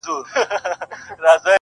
رنګ د جهاني د غزل میو ته لوېدلی دی-